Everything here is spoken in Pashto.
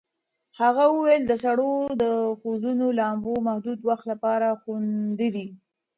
هغې وویل د سړو حوضونو لامبو محدود وخت لپاره خوندي دی.